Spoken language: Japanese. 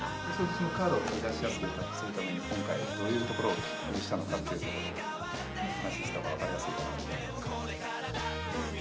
そのカードを取り出しやすくするために今回どういうところを気にしたのかというところを話したほうがわかりやすいと思うんで。